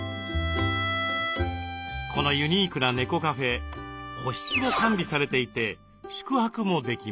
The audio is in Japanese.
このユニークな猫カフェ個室も完備されていて宿泊もできます。